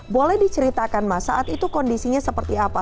boleh diceritakan mas saat itu kondisinya seperti apa